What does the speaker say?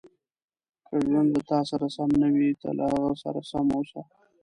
• که ژوند له تا سره سم نه وي، ته له هغه سره سم اوسه.